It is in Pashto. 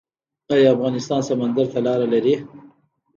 آیا افغانستان سمندر ته لاره لري؟